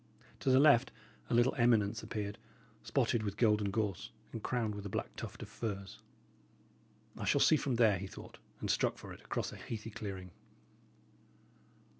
To the left a little eminence appeared, spotted with golden gorse, and crowned with a black tuft of firs. "I shall see from there," he thought, and struck for it across a heathy clearing.